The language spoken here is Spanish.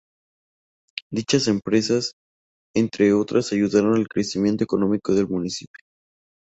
Dichas empresas, entre otras, ayudaron al crecimiento económico del municipio.